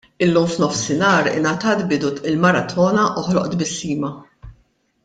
Illum f'nofsinhar ingħatat bidu l-maratona Oħloq Tbissima.